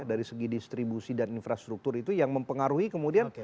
dari segi distribusi dan infrastruktur itu yang mempengaruhi kemudian